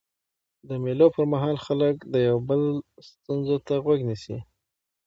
د مېلو پر مهال خلک د یو بل ستونزو ته غوږ نیسي.